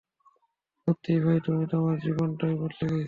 সত্যিই ভাই, তুমি তো আমার জীবনই বদলে দিছো।